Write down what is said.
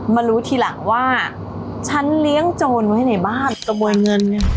มารู้ทีหลังว่าฉันเลี้ยงจนไว้ไหนบ้าง